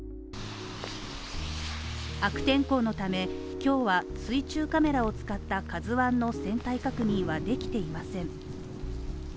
悪天候のため今日は水中カメラを使った「ＫＡＺＵ１」の全体確認はできていません。